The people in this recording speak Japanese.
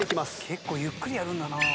結構ゆっくりやるんだな。